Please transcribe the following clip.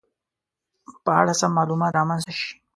په اړه سم معلومات رامنځته شي